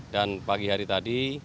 dan pagi hari tadi